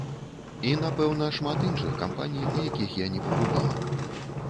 І, напэўна, шмат іншых кампаній, у якіх я не пабывала.